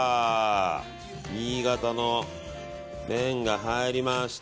新潟の麺が入りました。